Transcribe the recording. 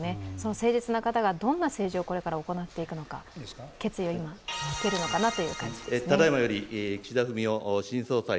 誠実な方がどんな政治をこれから行っていくのか決意を今、語るのかなと。